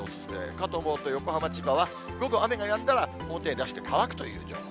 かと思うと、横浜、千葉は午後、雨がやんだら表へ出して乾くという情報。